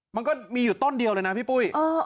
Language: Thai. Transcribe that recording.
มันก็มีอยู่ต้นเดียวเลยนะพี่ปุ้ย